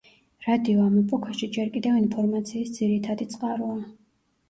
რადიო ამ ეპოქაში ჯერ კიდევ ინფორმაციის ძირითადი წყაროა.